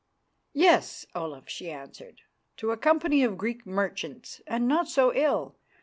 "Yes, Olaf," she answered, "to a company of Greek merchants, and not so ill.